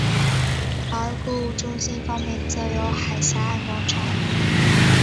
而购物中心方面则有海峡岸广场。